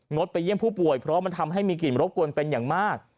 ดไปเยี่ยมผู้ป่วยเพราะมันทำให้มีกลิ่นรบกวนเป็นอย่างมาก